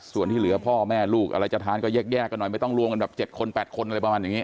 ส่วนที่เหลือพ่อแม่ลูกอะไรจะทานก็แยกกันหน่อยไม่ต้องรวมกันแบบ๗คน๘คนอะไรประมาณอย่างนี้